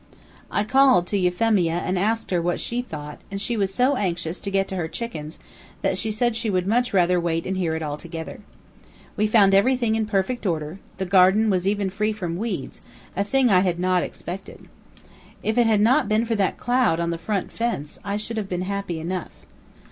I called to Euphemia and asked her what she thought, and she was so anxious to get to her chickens that she said she would much rather wait and hear it all together. We found everything in perfect order, the garden was even free from weeds, a thing I had not expected. If it had not been for that cloud on the front fence, I should have been happy enough.